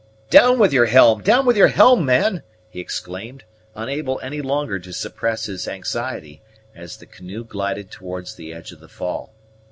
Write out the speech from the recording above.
"Down with your helm, down with your helm, man!" he exclaimed, unable any longer to suppress his anxiety, as the canoe glided towards the edge of the fall.